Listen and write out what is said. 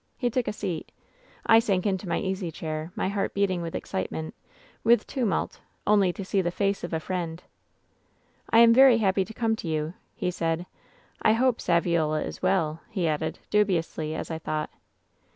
"He took a seat. "I sank into my easy chair, my heart beating with ex citement, with tumult, only to see the face of a friend. " 'I am very happy to come to you,' he said. 'I hope Saviola is well,' he added — dubiously, as I thought.